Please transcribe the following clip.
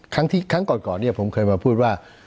ครั้งก่อนเนี่ยผมเคยมาพูดว่า